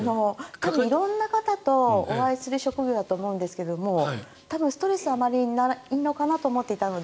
色んな方とお会いする職業だと思うんですが多分、ストレスはあまりないと思っていたので。